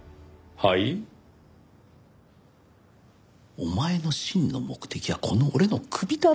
お前の真の目的はこの俺の首だろ？